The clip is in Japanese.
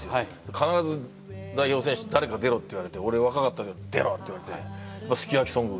必ず代表選手誰か出ろって言われて俺若かったとき出ろって言われて。